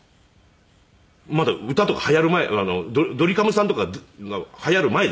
まだ歌とか流行る前ドリカムさんとかが流行る前ですから。